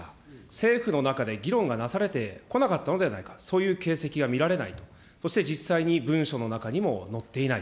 政府の中で議論がなされてこなかったのではないか、そういう形跡が見られない、そして実際に文書の中にも載っていない。